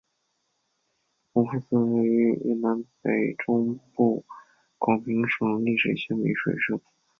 弘福寺位于越南北中部广平省丽水县美水社。